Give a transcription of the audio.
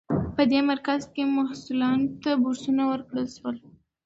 په دې مرکز کې محصلانو ته بورسونه ورکړل شول.